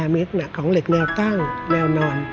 มีลักษณะของเหล็กแนวตั้งแนวนอน